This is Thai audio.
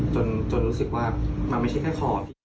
จนรู้สึกว่ามันไม่ใช่แค่คอพี่